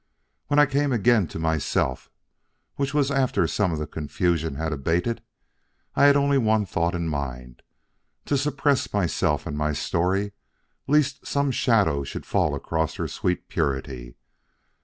When I came again to myself, which was after some of the confusion had abated, I had only one thought in mind: to suppress myself and my story lest some shadow should fall across her sweet purity.